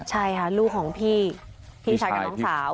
ใช่ค่ะลูกของพี่พี่ชายกับน้องสาว